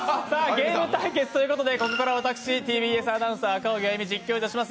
ゲーム対決ということでここからはＴＢＳアナウンサー赤荻歩、実況いたします。